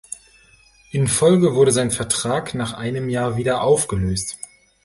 In Folge wurde sein Vertrag nach einem Jahr wieder aufgelöst.